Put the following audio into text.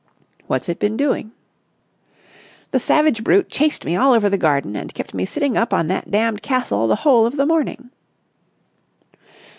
"What's it been doing?" "The savage brute chased me all over the garden and kept me sitting up on that damned castle the whole of the morning!"